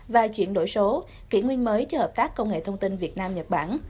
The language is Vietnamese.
và chuyển đổi số kỷ nguyên mới cho hợp tác công nghệ thông tin việt nam nhật bản